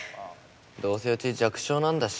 どうせうち弱小なんだし。